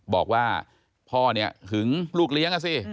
บอกว่าพ่อเนี่ยหึงลูกเลี้ยงอ่ะสิ